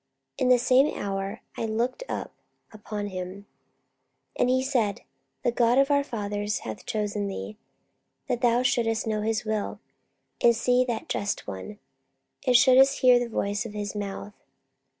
And the same hour I looked up upon him. 44:022:014 And he said, The God of our fathers hath chosen thee, that thou shouldest know his will, and see that Just One, and shouldest hear the voice of his mouth.